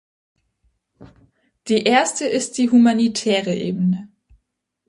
Die erste ist die humanitäre Ebene.